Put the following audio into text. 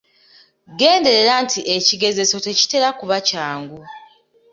Genderera nti ekigezeso tekitera kuba kyangu.